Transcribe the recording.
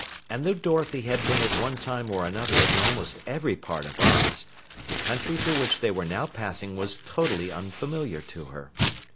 And though Dorothy had been at one time or another in almost every part of Oz, the country through which they were now passing was totally unfamiliar to her.